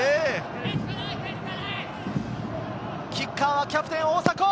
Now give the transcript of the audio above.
キッカーはキャプテン・大迫。